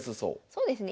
そうですね。